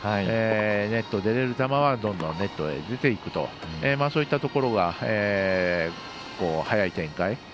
ネットに出れる球はどんどんネットに出ていくとそういったところが早い展開